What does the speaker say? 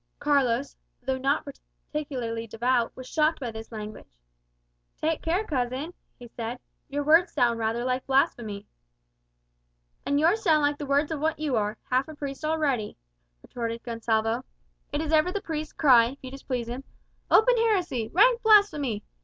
Carlos, though not particularly devout, was shocked by this language. "Take care, cousin," he said; "your words sound rather like blasphemy." "And yours sound like the words of what you are, half a priest already," retorted Gonsalvo. "It is ever the priest's cry, if you displease him, 'Open heresy!' 'Rank blasphemy!